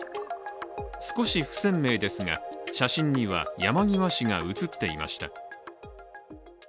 少し不鮮明ですが、写真には山際氏が写っていました。